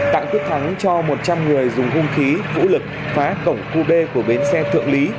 tạng quyết thắng cho một trăm linh người dùng hung khí vũ lực phá cổng khu b của bến xe thượng lý